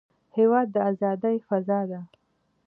هېواد د ازادۍ فضا ده.